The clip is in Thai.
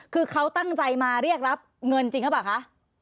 คือเขาตั้งใจมาเรียกรับเงินจริงหรือเปล่าคะ